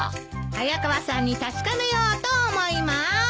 早川さんに確かめようと思います。